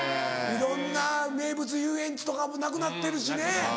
いろんな名物遊園地とかもなくなってるしね。